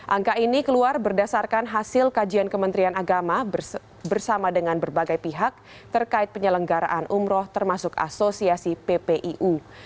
angka ini keluar berdasarkan hasil kajian kementerian agama bersama dengan berbagai pihak terkait penyelenggaraan umroh termasuk asosiasi ppiu